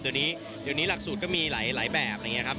เดี๋ยวนี้หลักสูตรก็มีหลายแบบนะครับ